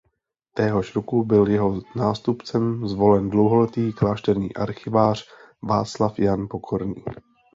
Téhož roku byl jeho nástupcem zvolen dlouholetý klášterní archivář Václav Jan Pokorný.